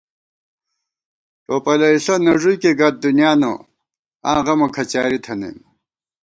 ٹوپَلئیݪہ نہ ݫُوئیکےگئیت دُنیانہ، آں غَمہ کھڅیاری تھنَئیم